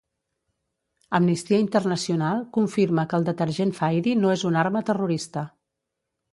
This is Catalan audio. Amnistia Internacional confirma que el detergent Fairy no és una arma terrorista.